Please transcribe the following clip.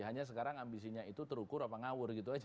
hanya sekarang ambisinya itu terukur apa ngawur gitu aja